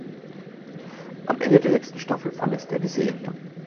Am Ende der sechsten Staffel verlässt er die Serie.